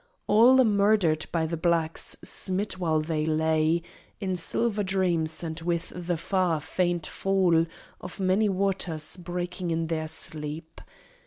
All murdered by the blacks; smit while they lay In silver dreams, and with the far, faint fall Of many waters breaking on their sleep!